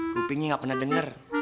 kupingnya gak pernah denger